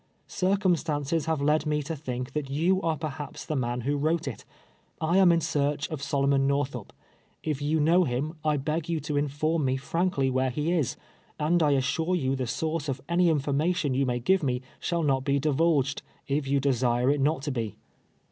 Circumstances have led me to think that you are perhaps the man who wrote it. I am in search of Solomon North up. If you know him, I beg you to inform me frankly where he is, and I assure you the source of any information you may give me shall not be divulged, if you desire it not to be."